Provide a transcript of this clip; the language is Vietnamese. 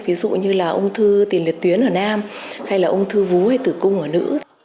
ví dụ như là ung thư tiền liệt tuyến ở nam hay là ung thư vú hay tử cung ở nữ